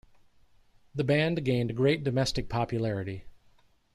The band gained great domestic popularity.